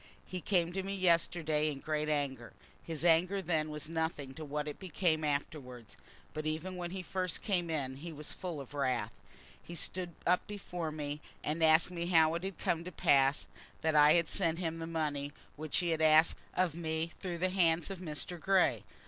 He came to me yesterday in great anger. His anger then was nothing to what it became afterwards; but even when he first came in he was full of wrath. He stood up before me, and asked me how it had come to pass that I had sent him the money which he had asked of me through the hands of Mr. Grey.